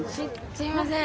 すいません。